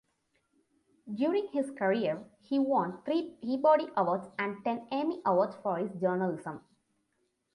During his career, he won three Peabody awards and ten Emmy awards for journalism.